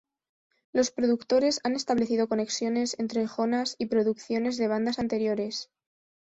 Los productores han establecido conexiones entre Jonas y producciones de bandas anteriores.